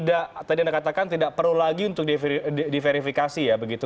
tidak tadi anda katakan tidak perlu lagi untuk diverifikasi ya begitu